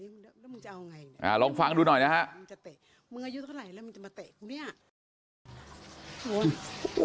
มึงจะเตะมึงอายุเท่าไหร่แล้วมึงจะมาเตะกูเนี่ย